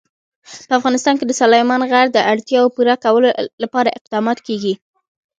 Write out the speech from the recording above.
په افغانستان کې د سلیمان غر د اړتیاوو پوره کولو لپاره اقدامات کېږي.